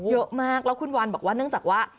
เยอะมากแล้วคุณวันบอกว่าเนื่องจากว่า